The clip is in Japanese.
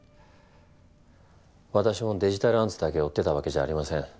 私もデジタルアンツだけ追ってたわけじゃありません。